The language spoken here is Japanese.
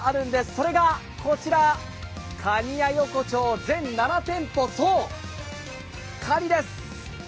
それがこちら、かにや横丁全７店舗、そう、かにです！